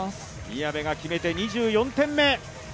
宮部が決めて２４点目！